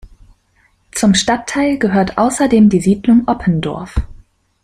Zum Stadtteil gehört außerdem die Siedlung Oppendorf.